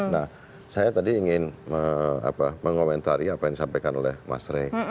nah saya tadi ingin mengomentari apa yang disampaikan oleh mas rey